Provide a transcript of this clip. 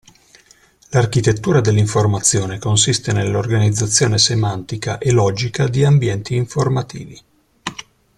L'architettura dell'informazione consiste nell'organizzazione semantica e logica di ambienti informativi.